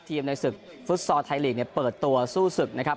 ในศึกฟุตซอลไทยลีกเนี่ยเปิดตัวสู้ศึกนะครับ